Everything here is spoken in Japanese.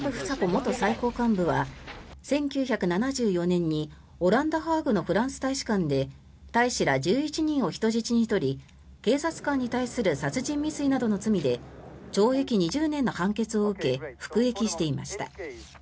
元最高幹部は１９７４年にオランダ・ハーグのフランス大使館で大使ら１１人を人質に取り警察官に対する殺人未遂などの罪で懲役２０年の判決を受け服役していました。